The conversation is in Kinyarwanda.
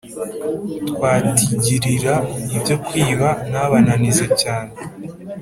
Twatigirira ibyo kwiba nabananize cyane”.